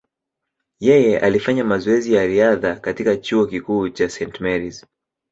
Yeye alifanya mazoezi ya riadha katika chuo kikuu cha St. Mary’s.